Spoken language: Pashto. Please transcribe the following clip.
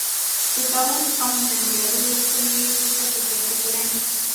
د داوود خان جنګياليو خپلې ټوپکې تشې کړې.